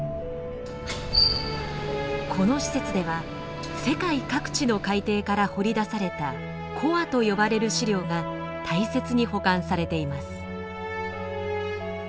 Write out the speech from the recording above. この施設では世界各地の海底から掘り出されたコアと呼ばれる試料が大切に保管されています。